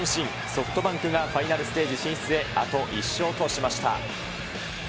ソフトバンクがファイナルステージ進出へ、あと１勝としました。